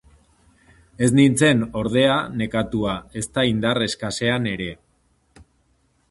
Ez nintzen, ordea, nekatua, ezta indar eskasean ere.